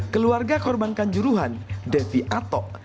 keluarga korban kanjuruhan devi atok